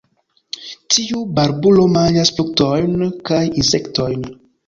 Tiu barbulo manĝas fruktojn kaj insektojn.